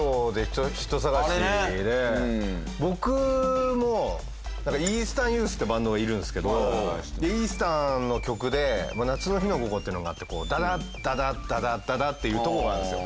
僕もｅａｓｔｅｒｎｙｏｕｔｈってバンドがいるんですけどイースタンの曲で『夏の日の午後』ってのがあって「ダダッダダッダダッダダッ」っていうとこがあるんですよ。